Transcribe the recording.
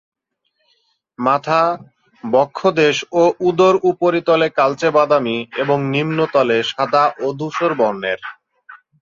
মাথা, বক্ষদেশ ও উদর উপরিতলে কালচে বাদামি এবং নিম্নতলে সাদা ও ধূসর বর্নের।